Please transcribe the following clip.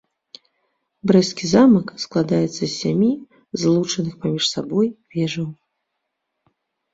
Брэсцкі замак складаецца з сямі злучаных паміж сабой вежаў.